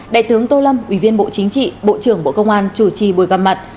đại tướng tô lâm ủy viên bộ chính trị bộ trưởng bộ công an chủ trì buổi gặp mặt